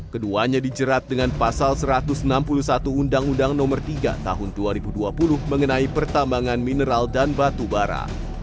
keduanya dijerat dengan pasal satu ratus enam puluh satu undang undang nomor tiga tahun dua ribu dua puluh mengenai pertambangan mineral dan batu bara